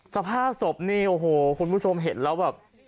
สภาพศพนี่โอ้โหคุณผู้ชมเห็นแล้วแบบ